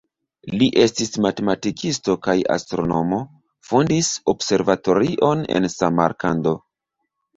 Li estis matematikisto kaj astronomo, fondis observatorion en Samarkando.